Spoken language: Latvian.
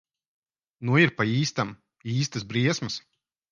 Nu ir pa īstam. Īstas briesmas.